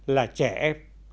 là trẻ em